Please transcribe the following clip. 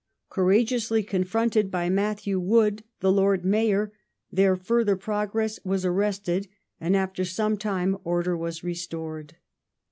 Courage ously confronted by Matthew Wood, the Lord Mayor, their further progress was arrested and after some time order was restored.